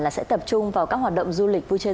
là sẽ tập trung vào các hoạt động du lịch vui chơi